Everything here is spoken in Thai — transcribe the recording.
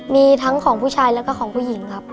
มีทั้งของผู้ชายแล้วก็ของผู้หญิงครับ